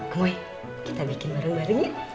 kamui kita bikin bareng bareng ya